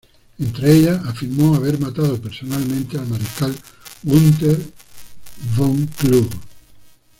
Entre ellas, afirmó haber matado personalmente al Mariscal Günther von Kluge.